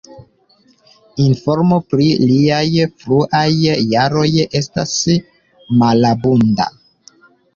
Informo pri liaj fruaj jaroj estas malabunda.